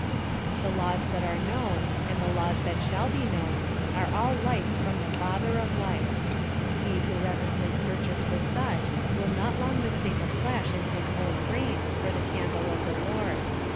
The laws that are known and the laws that shall be known are all lights from the Father of lights: he who reverently searches for such will not long mistake a flash in his own brain for the candle of the Lord.